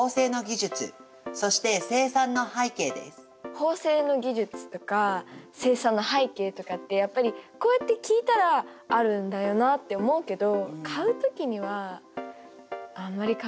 縫製の技術とか生産の背景とかってやっぱりこうやって聞いたらあるんだよなって思うけど買う時にはあんまり考えてないですよね。